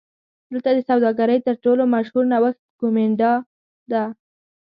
دلته د سوداګرۍ تر ټولو مشهور نوښت کومېنډا نومېده